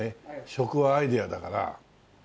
食はアイデアだから。